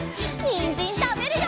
にんじんたべるよ！